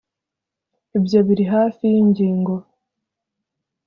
ibyo biri hafi yingingo.